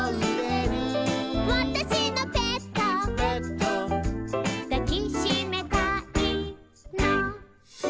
「わたしのペット」「ペット」「だきしめたいの」